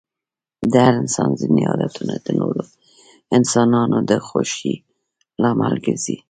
د هر انسان ځيني عادتونه د نورو انسانانو د خوښی لامل ګرځي.